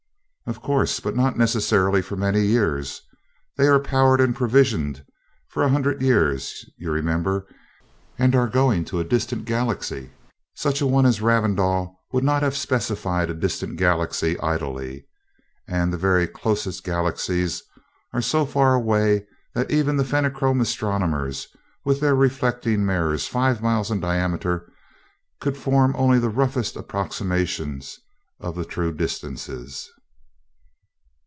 "Of course, but not necessarily for many years. They are powered and provisioned for a hundred years, you remember, and are going to 'a distant galaxy.' Such a one as Ravindau would not have specified a distant Galaxy idly, and the very closest Galaxies are so far away that even the Fenachrone astronomers, with their reflecting mirrors five miles in diameter, could form only the very roughest approximations of the true distances."